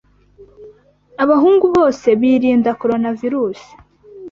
Abahungu bose birinda Coronavirusi